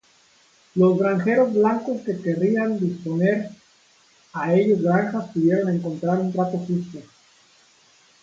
Los granjeros blancos que querrían disponer a ellos granjas pudieron encontrar un trato justo.